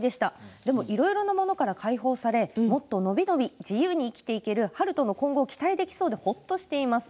でもいろいろなものから解放されもっと伸び伸び自由に生きていける悠人の今後期待できそうでほっとしています。